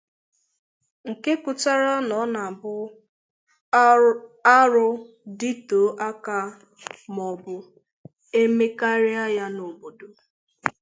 nke pụtara na ọ na-abụ arụ dịtòó aka maọbụ e mekarịa ya n'obodo